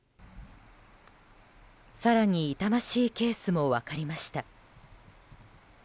更に痛ましいケースも分かりました。